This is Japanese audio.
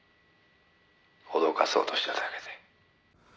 「脅かそうとしただけで」